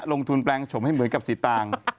ลงทุนแปลงชมให้เหมือนกับสิตาง